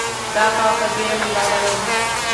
دا باغ به ډېر مېوه ولري.